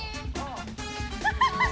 ハハハッ！